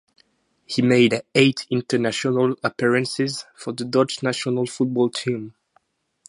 He made eight international appearances for the Dutch national football team.